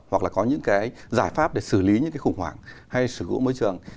hoặc là có những cái giải pháp để xử lý những cái khủng hoảng hay sự cố môi trường